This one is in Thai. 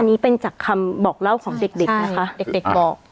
อันนี้เป็นจากคำบอกเล่าของเด็กเด็กนะคะเด็กบอก